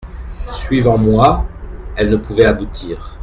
Suivant moi, elle ne pouvait aboutir.